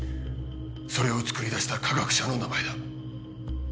それをつくり出した科学者の名前だ。